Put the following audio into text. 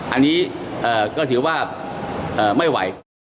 อันนี้ก็ถือว่าไม่ไหว